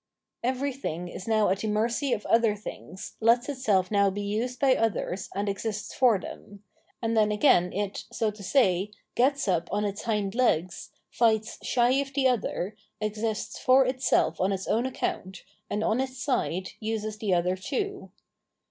Everything is now at the mercy of other things, lets itself now be used by others, and exists for them ; and then again it, so to say, gets up on its hind legs, fights shy of the other, exists for itself on its own account, and on its side uses the other too.